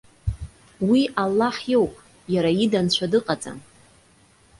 Уи Аллаҳ иоуп, иара ида Анцәа дыҟаӡам.